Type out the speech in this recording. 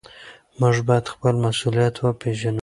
موږ بايد خپل مسؤليت وپېژنو.